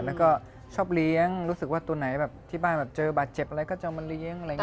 แล้วก็ชอบเลี้ยงรู้สึกว่าตัวไหนแบบที่บ้านแบบเจอบาดเจ็บอะไรก็จะเอามาเลี้ยงอะไรอย่างนี้